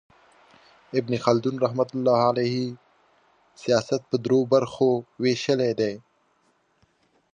ابن خلدون رحمة الله علیه سیاست پر درو برخو ویشلی دئ.